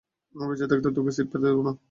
আমি বেঁচে থাকতে, তোকে সিট পেতে দিবো না।